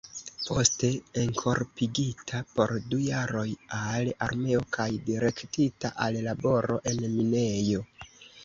Poste enkorpigita por du jaroj al armeo kaj direktita al laboro en minejo.